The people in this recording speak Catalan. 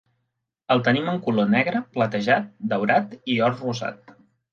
El tenim en color negre, platejat, daurat, i or rosat.